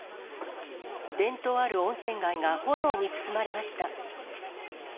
伝統ある温泉街が炎に包まれました。